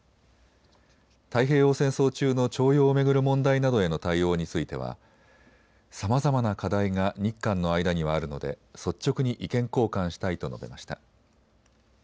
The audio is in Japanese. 太平洋戦争中の徴用を巡る問題などへの対応についてはさまざまな課題が日韓の間にはあるので率直に意見交換したいと述べました。